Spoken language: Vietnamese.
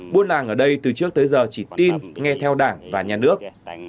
buôn làng ở đây từ trước tới giờ chỉ tin nghe theo đảng và nhà nước